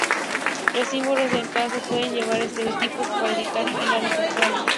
Los símbolos de enlace pueden llevar estereotipos para indicar enlaces temporales.